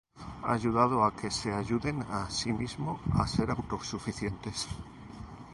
Ayudando a que se ayuden a sí mismo, a ser auto-suficientes.